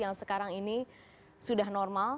yang sekarang ini sudah normal